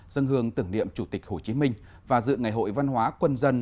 dân hương tưởng niệm chủ tịch hồ chí minh và dự ngày hội văn hóa quân dân